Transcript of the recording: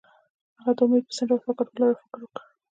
هغه د امید پر څنډه ساکت ولاړ او فکر وکړ.